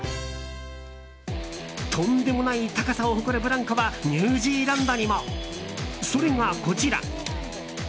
とんでもない高さを誇るブランコはニュージーランドにも。それがこちら。